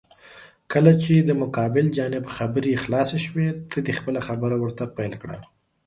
کله چې د مقابل جانب خبرې خلاسې شوې، ته دې خپله خبره ورته پېل کړه.